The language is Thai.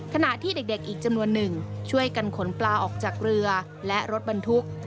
ขณะที่เด็กอีกจำนวนหนึ่งช่วยกันขนปลาออกจากเรือและรถบรรทุก